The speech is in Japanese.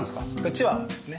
チワワですね。